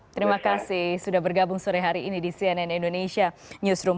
terima kasih sudah bergabung sore hari ini di cnn indonesia newsroom